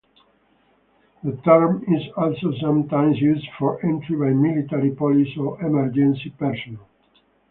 The term is also sometimes used for entry by military, police, or emergency personnel.